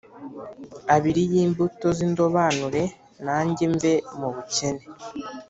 abiri y’imbuto z’indobanure nange mve mu bukene.